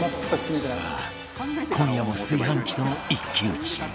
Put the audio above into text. さあ今夜も炊飯器との一騎打ち